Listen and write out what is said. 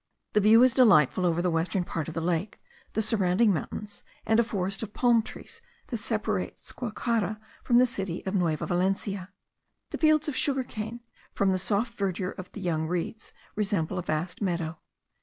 The view is delightful over the western part of the lake, the surrounding mountains, and a forest of palm trees that separates Guacara from the city of Nueva Valencia. The fields of sugar cane, from the soft verdure of the young reeds, resemble a vast meadow.